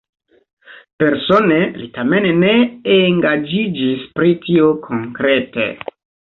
Persone li tamen ne engaĝiĝis pri tio konkrete.